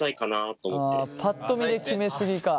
パッと見で決めすぎか。